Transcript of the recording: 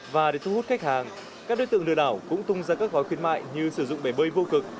và để thu hút khách hàng các đối tượng lừa đảo cũng tung ra các gói khuyến mại như sử dụng bể bơi vô cực